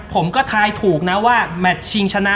พี่ภายถูกนะว่าแมทชิงชนะ